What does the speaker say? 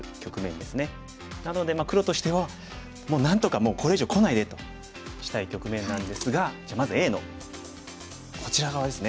なので黒としてはもうなんとかこれ以上こないでとしたい局面なんですがじゃあまずＡのこちら側ですね。